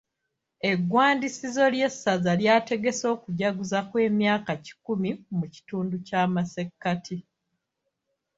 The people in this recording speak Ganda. Egwandiisizo ly'esaza lyategese okujaguza kw'emyaka kikumi mu kitundu ky'amasekkati.